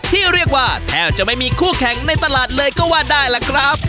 ที่เรียกว่าแทบจะไม่มีคู่แข่งในตลาดเลยก็ว่าได้ล่ะครับ